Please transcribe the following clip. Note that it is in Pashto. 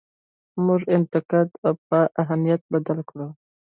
موږ انتقاد په اهانت بدل کړو.